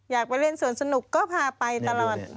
อยากไปเล่นสวนสนุกก็พาไปตลอด